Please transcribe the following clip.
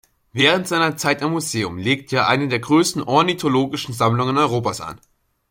Während seiner Zeit am Museum legte er eine der größten ornithologischen Sammlungen Europas an.